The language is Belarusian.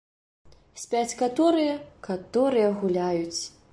Спяць каторыя, каторыя гуляюць.